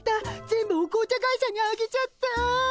全部お紅茶会社にあげちゃった！